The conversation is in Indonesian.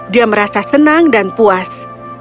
dia merasa senang dan puas